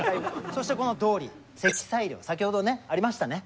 そしてこのドーリー積載量先ほどありましたね